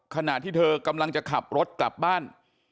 ขณะที่เธอกำลังจะขับรถกลับบ้าน